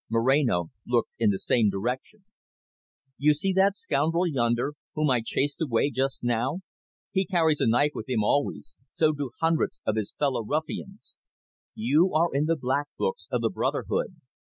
Moreno looked in the same direction. "You see that scoundrel yonder, whom I chased away just now. He carries a knife always with him; so do hundreds of his fellow ruffians. You are in the black books of the brotherhood.